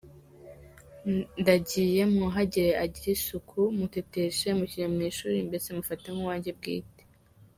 Ndagiye mwuhagire agire isuku, muteteshe, mushyire mu ishuri mbese mufate nk’uwanjye bwite.